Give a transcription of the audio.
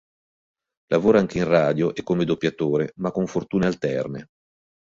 Lavora anche in radio e come doppiatore, ma con fortune alterne.